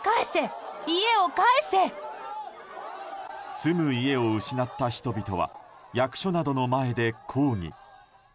住む家を失った人々は役所などの前で抗議。